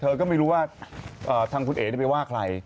เธอก็ไม่รู้ว่าทางคุณเอ๋ไปว่าใคร